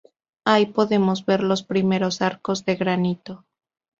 Ahí podemos ver los primeros arcos de granito.